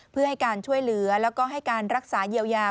เพื่อให้การช่วยเหลือแล้วก็ให้การรักษาเยียวยา